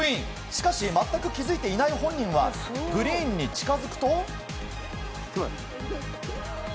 しかし全く気付いていない本人はグリーンに近づくと。